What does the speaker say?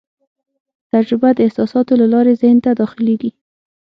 تجربه د احساساتو له لارې ذهن ته داخلېږي.